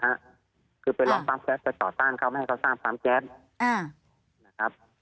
อะคือไปลองไปต่อต้านเขามาให้เขาต้านอ่านะครับ